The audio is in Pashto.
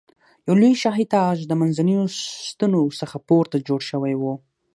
یو لوی شاهي تاج د منځنیو ستنو څخه پورته جوړ شوی و.